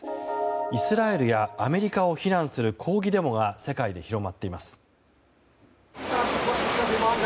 イスラエルやアメリカを非難する抗議デモが世界で広まっています。